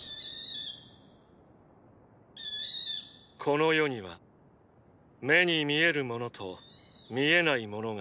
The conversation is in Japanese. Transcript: この世には目に見えるものと見えないものがある。